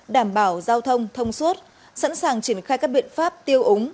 đảm bảo giao thông thông suốt sẵn sàng triển khai các biện pháp tiêu úng